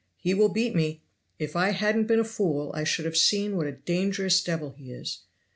He will beat me! If I hadn't been a fool I should have seen what a dangerous devil he is.